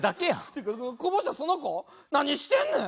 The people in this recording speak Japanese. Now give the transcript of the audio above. てかこぼしたその子何してんねん！